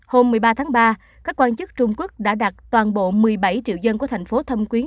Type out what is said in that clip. hôm một mươi ba tháng ba các quan chức trung quốc đã đặt toàn bộ một mươi bảy triệu dân của thành phố thâm quyến